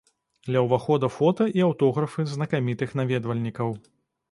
Ля ўвахода фота і аўтографы знакамітых наведвальнікаў.